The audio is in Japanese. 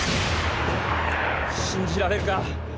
信じられるか。